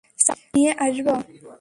চা নিয়ে আসবো?